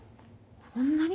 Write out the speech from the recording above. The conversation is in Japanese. こんなに！？